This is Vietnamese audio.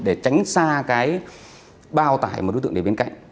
để tránh xa cái bao tải mà đối tượng để bên cạnh